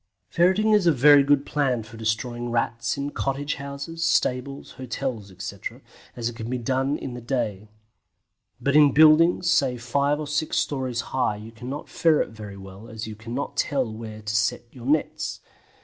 Ferreting is a very good plan for destroying Rats in cottage houses, stables, hotels, etc., as it can be done in the day, but in buildings, say five or six storeys high you cannot ferret very well as you cannot tell where to set your nets.